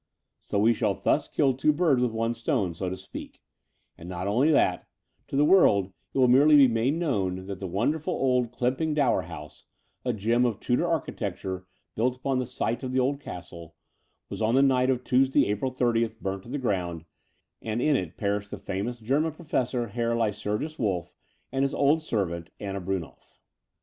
So we shall thus kill two birds with one stone, so to speak: and, not only that, to the world it will 268 The Door of the Unreal merely be made known that the wonderftil old Clymping Dower House, a gem of Tudor architec ture built upon the site of the old castle, was on the night of Tuesday, April 30th, burnt to the grotmd, and in it perished the famous German professor, Herr Lycurgus WolflE, and his old servant, Anna Brunnolf.